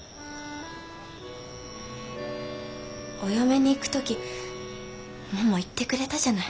お嫁に行く時もも言ってくれたじゃない。